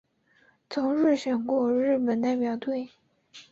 曾入选过的日本代表队。